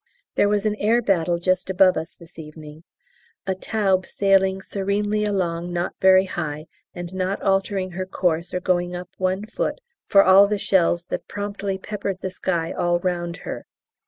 There was an air battle just above us this evening, a Taube sailing serenely along not very high, and not altering her course or going up one foot, for all the shells that promptly peppered the sky all round her.